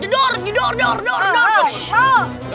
duduk duduk duduk